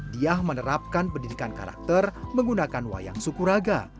diah menerapkan pendidikan karakter menggunakan wayang sukuraga